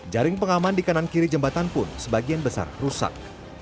jaring pengaman di kanan kiri jembatan pun sebagian besar rusak